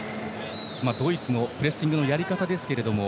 ドイツのプレッシングのやり方ですが。